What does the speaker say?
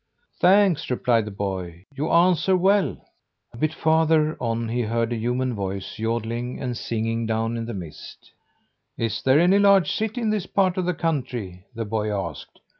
"Thanks," replied the boy. "You answer well." A bit farther on he heard a human voice yodeling and singing down in the mist. "Is there any large city in this part of the country?" the boy asked.